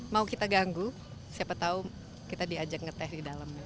mau kita ganggu siapa tahu kita diajak ngeteh di dalamnya